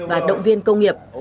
và động viên công nghiệp